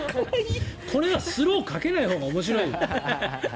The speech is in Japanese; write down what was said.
これスローかけないほうが面白いよ。